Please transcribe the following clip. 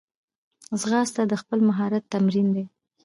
ځغاسته د خپل مهارت تمرین دی